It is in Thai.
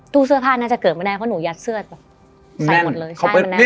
เสื้อผ้าน่าจะเกิดไม่ได้เพราะหนูยัดเสื้อแบบใส่หมดเลยใช่มันแน่